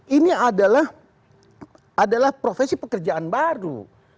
ini adalah profesi pekerjaan baru